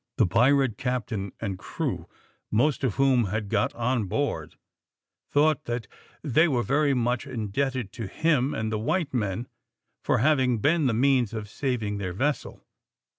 The pirate captain and crew, most of whom had got on board, thought that they were very much indebted to him and the white men for having been the means of saving their vessel.